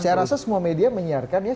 saya rasa semua media menyiarkan ya